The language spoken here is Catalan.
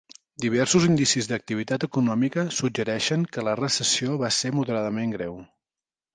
Diversos indicis d'activitat econòmica suggereixen que la recessió va ser moderadament greu.